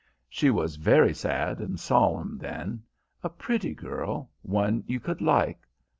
She was very sad and solemn then; a pretty girl, one you could like.